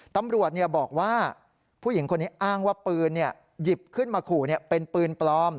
ตำรวจบอกว่าผู้หญิงคนนี้อ้างว่าปืนหยิบขึ้นมาขู่เป็นปืนปลอม